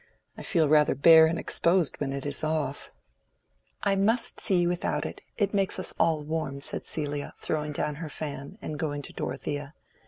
"I feel rather bare and exposed when it is off." "I must see you without it; it makes us all warm," said Celia, throwing down her fan, and going to Dorothea.